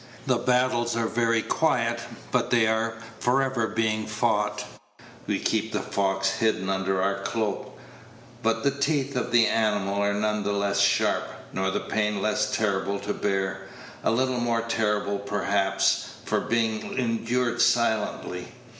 The battles are very quiet, but they are for ever being fought. We keep the fox hidden under our cloak, but the teeth of the animal are none the less sharp, nor the pain less terrible to bear; a little more terrible, perhaps, for being endured silently.